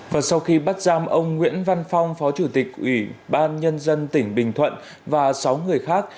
và sau khi bắt giam ông nguyễn văn phong phó chủ tịch ủy ban nhân dân tỉnh bình thuận và sáu người khác